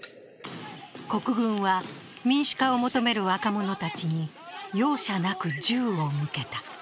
国軍は民主化を求める若者たちに容赦なく銃を向けた。